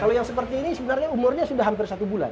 kalau yang seperti ini sebenarnya umurnya sudah hampir satu bulan